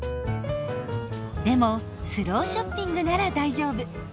でもスローショッピングなら大丈夫。